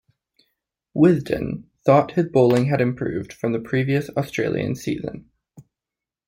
"Wisden" thought his bowling had improved from the previous Australian season.